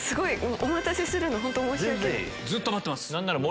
お待たせするの本当申し訳ない。